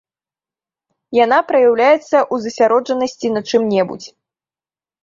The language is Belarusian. Яна праяўляецца ў засяроджанасці на чым-небудзь.